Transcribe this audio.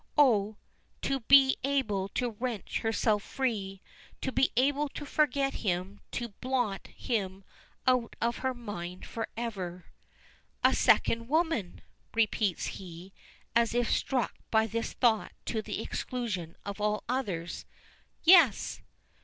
Oh! to be able to wrench herself free, to be able to forget him to blot him out of her mind forever. "A second woman!" repeats he, as if struck by this thought to the exclusion of all others. "Yes!"